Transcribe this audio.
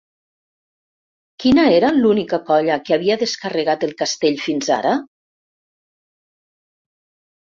Quina era l'única colla que havia descarregat el castell fins ara?